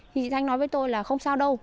thì thanh nói với tôi là không sao đâu